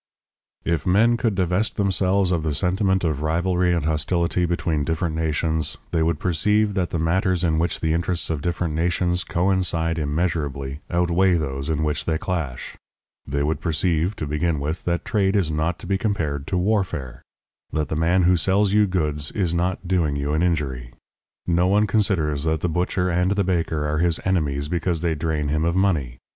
If men could divest themselves of the sentiment of rivalry and hostility between different nations, they would perceive that the matters in which the interests of different nations coincide immeasurably outweigh those in which they clash; they would perceive, to begin with, that trade is not to be compared to warfare; that the man who sells you goods is not doing you an injury. No one considers that the butcher and the baker are his enemies because they drain him of money.